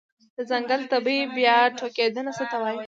د ځنګل طبيعي بیا ټوکیدنه څه ته وایې؟